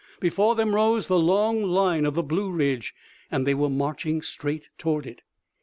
Before them rose the long line of the Blue Ridge and they were marching straight toward it.